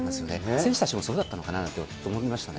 選手たちもそうだったのかなと思いましたね。